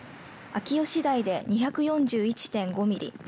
秋吉台で２４１．５ミリ